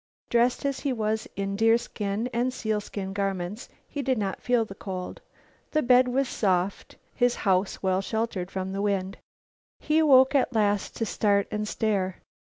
Dressed as he was in deerskin and sealskin garments, he did not feel the cold. The bed was soft, his "house" well sheltered from the wind. He awoke at last to start and stare.